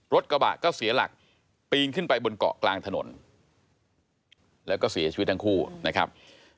รถกระบะก็เสียหลักปีนขึ้นไปบนเกาะกลางถนนแล้วก็เสียชีวิตทั้งคู่นะครับ